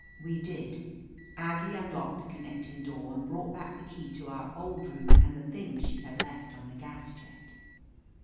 We did. Aggie unlocked the connecting door and brought back the key to our old room and the things she had left on the gas jet.